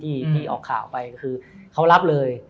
ที่ออกข่าวไปก็คือเขารับเลย